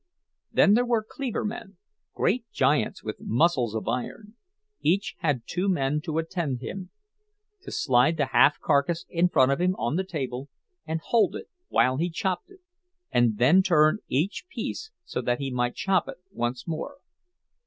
Then there were "cleaver men," great giants with muscles of iron; each had two men to attend him—to slide the half carcass in front of him on the table, and hold it while he chopped it, and then turn each piece so that he might chop it once more.